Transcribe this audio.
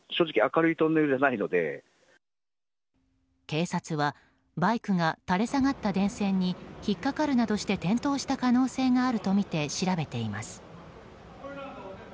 警察は、バイクが垂れ下った電線に引っかかるなどして転倒した可能性があるとみて調べています。